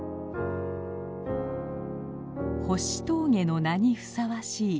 星峠の名にふさわしい